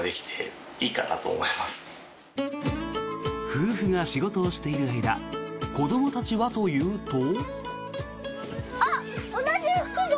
夫婦が仕事をしている間子どもたちはというと。